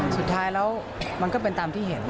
สุดท้ายแล้วมันก็เป็นตามที่เห็น